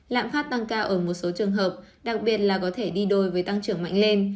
lạm phát tăng cao ở một số trường hợp đặc biệt là có thể đi đôi với tăng trưởng mạnh lên